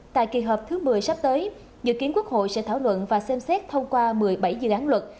tại kỳ họp thứ một mươi sắp tới dự kiến quốc hội sẽ thảo luận và xem xét thông qua một mươi bảy dự án luật